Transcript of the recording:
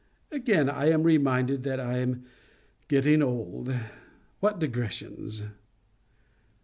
Again I am reminded that I am getting old. What digressions!